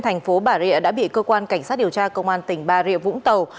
thành phố bà rịa đã bị cơ quan cảnh sát điều tra công an tỉnh bà rịa vũng tàu